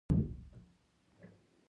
مرستیال والی د والی مرسته کوي